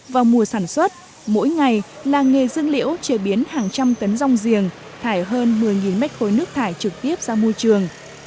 vào mùa sản xuất mỗi ngày làng nghề dương liễu chế biến hàng trăm tấn rong giềng thải hơn một mươi mét khối nước thải trực tiếp ra môi trường